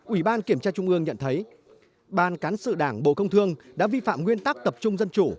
ủy ban kiểm tra trung ương nhận thấy ban cán sự đảng bộ công thương đã vi phạm nguyên tắc tập trung dân chủ